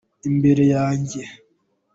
imbere yanjye.